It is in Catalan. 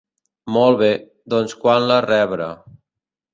Molt bé, doncs quan la rebre.